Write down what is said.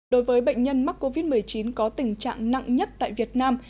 đối với bệnh nhân mắc covid một mươi chín có tình trạng nặng nhất tại việt nam